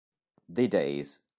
The Days